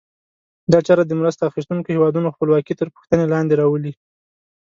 دا چاره د مرسته اخیستونکو هېوادونو خپلواکي تر پوښتنې لاندې راولي.